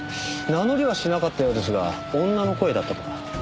名乗りはしなかったようですが女の声だったとか。